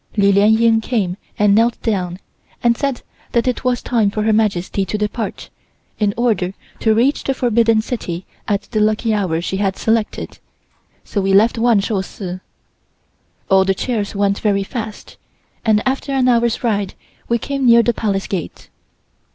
Li Lien Ying came and knelt down, and said that it was time for Her Majesty to depart, in order to reach the Forbidden City at the lucky hour she had selected, so we left Wan Shou Si. All the chairs went very fast, and after an hour's ride we came near the Palace Gate.